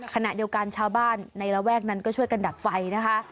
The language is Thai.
ขณะเดียวกันชาวบ้านในระแวกนั้นก็ช่วยกันดับไฟนะคะ